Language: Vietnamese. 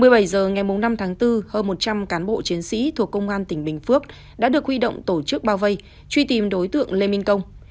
một mươi bảy h ngày năm tháng bốn hơn một trăm linh cán bộ chiến sĩ thuộc công an tỉnh bình phước đã được huy động tổ chức bao vây truy tìm đối tượng lê minh công